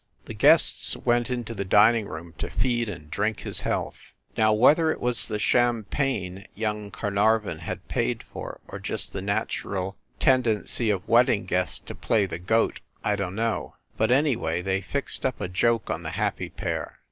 The guests went into the dining room to feed and drink his health. Now, whether it was the champagne young Car narvon had paid for, or just the natural tendency 82 FIND THE WOMAN of wedding guests to play the goat, I dunno. But, anyway, they fixed up a joke on the happy pair.